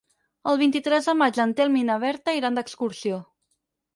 El vint-i-tres de maig en Telm i na Berta iran d'excursió.